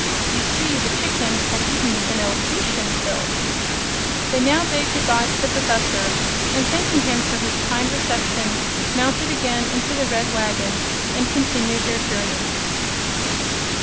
You see, the chicken had eaten an Elocution Pill." They now bade good bye to the Professor, and thanking him for his kind reception mounted again into the red wagon and continued their journey.